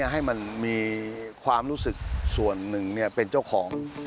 ให้มันมีความรู้สึกส่วนหนึ่งเป็นเจ้าของ